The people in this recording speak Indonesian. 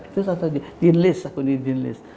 itu soalnya dean list aku di dean list